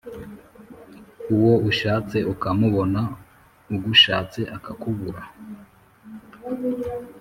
uwo ushatse ukamubona ugushatse akakubura